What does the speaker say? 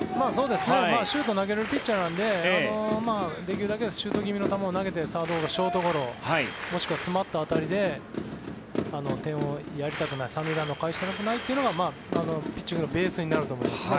シュートを投げれるピッチャーなんでできるだけシュート気味の球を投げてサードゴロ、ショートゴロもしくは詰まった当たりで点をやりたくない３塁ランナーをかえしたくないというのがピッチングのベースになると思いますね。